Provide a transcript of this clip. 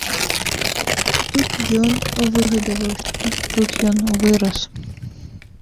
Тут ён выгадаваўся, тут ён вырас.